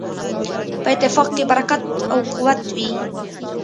په اتفاق کې برکت او قوت وي.